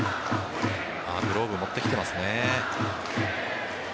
グローブ持ってきていますね。